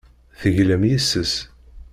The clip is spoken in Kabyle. Teglam yes-s.